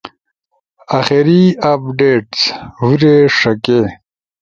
آخری اپڈیٹس: ہورے ݜکے